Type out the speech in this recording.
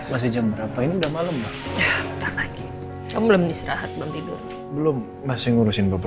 aku juga gak mau ngerosak hubungan aku sama abi